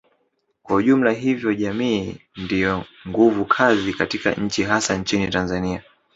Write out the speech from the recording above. kwa ujumla hivyo jamii ndiyo nguvu kazi katika nchi hasa nchini Tanzania